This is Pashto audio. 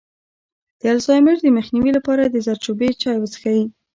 د الزایمر د مخنیوي لپاره د زردچوبې چای وڅښئ